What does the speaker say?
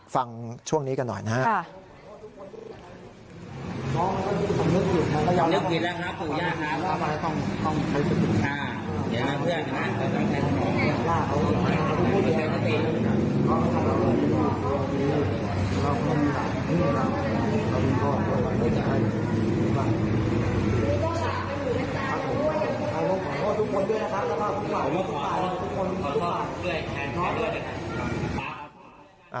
ฟังช่วงนี้กันหน่อยนะครับ